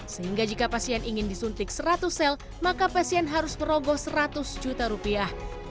sehingga jika pasien ingin disuntik seratus sel maka pasien harus merogoh seratus juta rupiah